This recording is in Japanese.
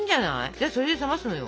じゃあそれで冷ますのよ。